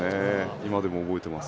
今でも覚えています。